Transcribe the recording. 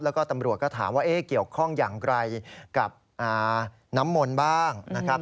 แล้วก็ตำรวจก็ถามว่าเกี่ยวข้องอย่างไรกับน้ำมนต์บ้างนะครับ